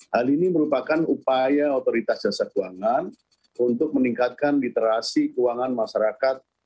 hal ini merupakan upaya otoritas jasa keuangan untuk meningkatkan literasi keuangan masyarakat